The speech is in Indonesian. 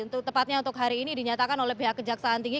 untuk tepatnya untuk hari ini dinyatakan oleh pihak kejaksaan tinggi